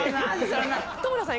戸村さん